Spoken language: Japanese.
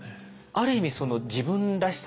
ある意味その自分らしさ